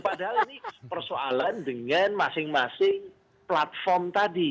padahal ini persoalan dengan masing masing platform tadi